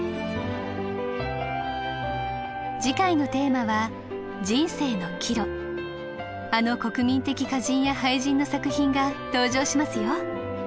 次回のテーマはあの国民的歌人や俳人の作品が登場しますよ。